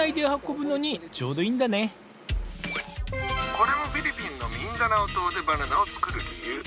これもフィリピンのミンダナオ島でバナナを作る理由！